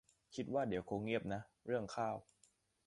คิดว่าเดี๋ยวคงเงียบนะ เรื่องข้าว